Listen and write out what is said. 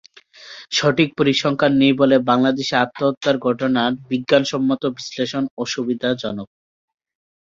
সঠিক পরিসংখ্যান নেই বলে বাংলাদেশে আত্মহত্যার ঘটনার বিজ্ঞানসম্মত বিশ্লেষণ অসুবিধাজনক।